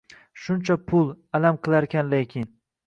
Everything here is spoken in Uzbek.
Shuncha puul, alam qilarkan lekin...